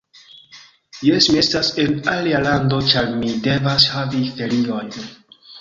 Jes, mi estas en alia lando ĉar mi devas havi feriojn